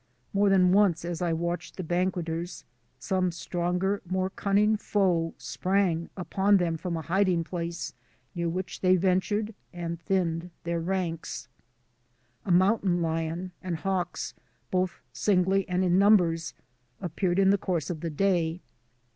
More than once as I watched the banqueters some stronger, more cunning foe sprang upon them from a hiding place near which they ventured* and thinned their ranks. THE ARCTIC ZONE OF HIGH MOUNTAINS 101 A mountain lion, and hawks both singly and in numbers, appeared in the course of the day.